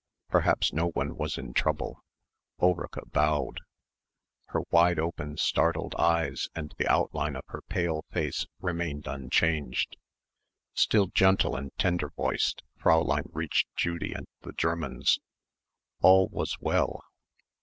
Perhaps no one was in trouble. Ulrica bowed. Her wide open startled eyes and the outline of her pale face remained unchanged. Still gentle and tender voiced Fräulein reached Judy and the Germans. All was well.